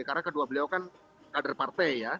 karena kedua beliau kan kader partai ya